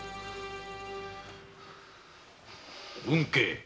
運慶。